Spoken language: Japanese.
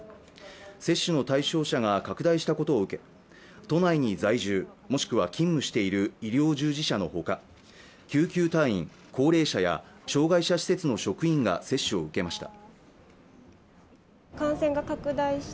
接種の対象者が拡大したことを受け都内に在住もしくは勤務している医療従事者のほか、救急隊員、高齢者や障害者施設の職員が接種を受けました。